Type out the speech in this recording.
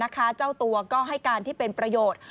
แล้วด้วยนะคะเจ้าตัวก็ให้การที่เป็นประโยชน์